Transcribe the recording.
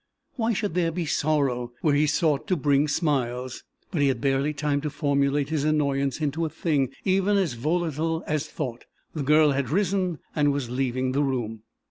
Why should there be sorrow where he had sought to bring smiles? But he had barely time to formulate his annoyance into a thing even as volatile as thought the girl had risen and was leaving the room.